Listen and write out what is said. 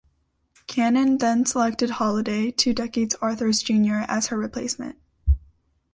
Kanin then selected Holliday, two decades Arthur's junior, as her replacement.